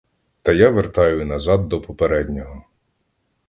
Та я вертаю назад до попереднього.